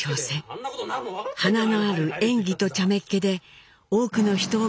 華のある演技とちゃめっ気で多くの人を魅了していきます。